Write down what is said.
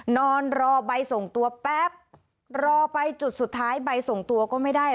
นอนรอใบส่งตัวแป๊บรอไปจุดสุดท้ายใบส่งตัวก็ไม่ได้